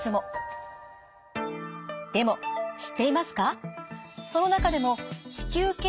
でも知っていますか？